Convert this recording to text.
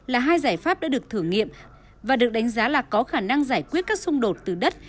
là hai giải pháp đã được thử nghiệm và được đánh giá là có khả năng giải quyết các xung đột từ đất